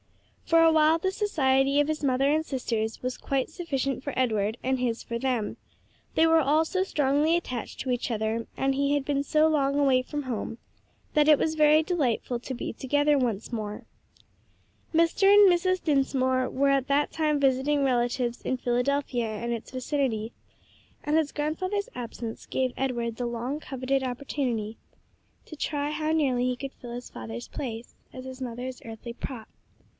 For a while the society of his mother and sisters was quite sufficient for Edward and his for them they were all so strongly attached to each other and he had been so long away from home that it was very delightful to be together once more. Mr. and Mrs. Dinsmore were at that time visiting relatives in Philadelphia and its vicinity, and his grandfather's absence gave Edward the long coveted opportunity to try how nearly he could fill his father's place as his mother's earthly prop.